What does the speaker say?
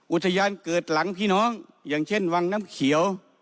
อุทยานเกิดหลังพี่น้องอย่างเช่นวังน้ำเขียว